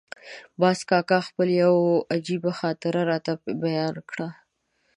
باز کاکا خپله یوه عجیبه خاطره راته بیان کړه.